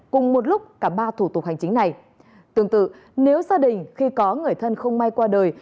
cùng một lúc cả ba thủ tục hành chính này tương tự nếu gia đình khi có người thân không may qua đời